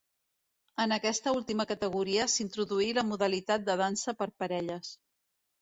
En aquesta última categoria s'introduí la modalitat de dansa per parelles.